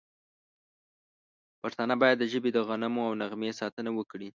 پښتانه باید د ژبې د غنمو او نغمې ساتنه وکړي.